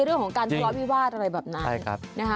เรื่องของการทะเลาะวิวาสอะไรแบบนั้น